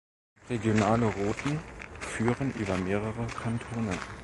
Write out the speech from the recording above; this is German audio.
Regionale Routen führen über mehrere Kantone.